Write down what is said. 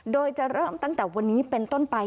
โดยจะเริ่มตั้งแต่วันนี้เป็นต้นไป